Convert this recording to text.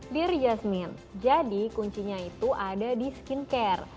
dear jasmine jadi kuncinya itu ada di skincare